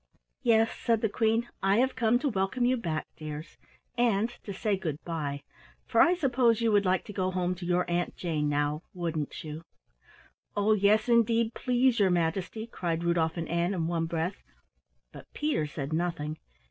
"Yes," said the Queen, "I have come to welcome you back, dears, and to say good by, for I suppose you would like to go home to your Aunt Jane now, wouldn't you?" "Oh, yes, indeed, please your Majesty," cried Rudolf and Ann in one breath but Peter said nothing.